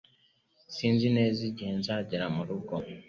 Sinzi neza igihe nzagera murugo